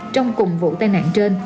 trong cùng vụ tài nạn